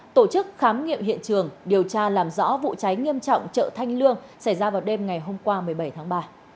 tổ chức khám nghiệm hiện trường điều tra làm rõ vụ cháy nghiêm trọng chợ thanh lương xảy ra vào đêm ngày hôm qua một mươi bảy tháng ba